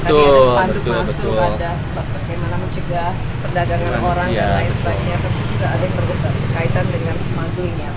tapi juga ada yang berhubungan kaitan dengan smuggling ya